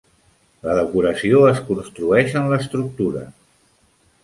La decoració es construeix en l'estructura.